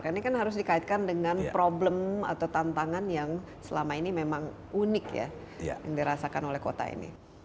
karena ini kan harus dikaitkan dengan problem atau tantangan yang selama ini memang unik ya yang dirasakan oleh kota ini